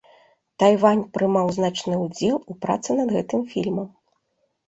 Тайвань прымаў значны ўдзел у працы над гэтым фільмам.